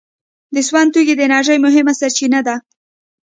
د سون توکي د انرژۍ مهمه سرچینه ده.